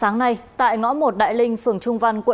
ngay từ khi con còn nhỏ